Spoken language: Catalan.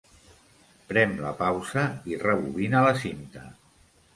Prem la pausa i rebobina la cinta.